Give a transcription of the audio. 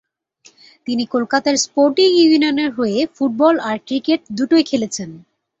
তিনি কলকাতার স্পোর্টিং ইউনিয়নের হয়ে ফুটবল আর ক্রিকেট দুটোই খেলেছেন।